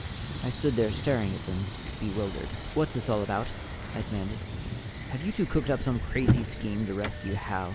I stood there staring at them, bewildered. "What's this all about?" I demanded. "Have you two cooked up some crazy scheme to rescue Hal?